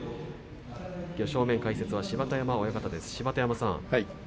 正面解説の芝田山親方です。